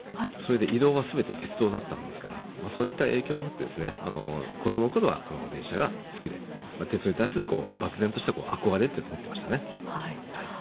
移動は全て鉄道だったものですからそういった影響もあって子供のころは電車が好きで鉄道に対する漠然とした憧れというものを持っていましたね。